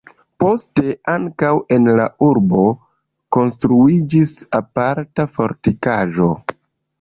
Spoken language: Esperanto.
Poste ankaŭ en la urbo konstruiĝis aparta fortikaĵo.